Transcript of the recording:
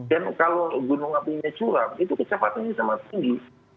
kalau gunung apinya curam itu kecepatannya sangat tinggi